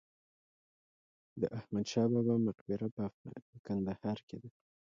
د احمد شاه بابا مقبره په کندهار کې ده